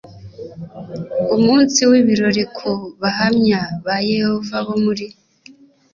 umunsi w ibirori ku bahamya ba yehova bo muri